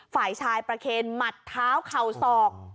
ฝ่ายชายประเคนหมัดเท้าเข่าศอก